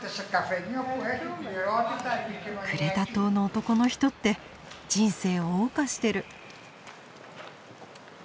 クレタ島の男の人って人生を謳歌してる。